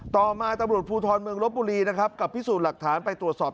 ต่อมาตำรวจภูทรเมืองลบบุรีนะครับกับพิสูจน์หลักฐานไปตรวจสอบ